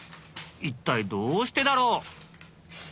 一体どうしてだろう？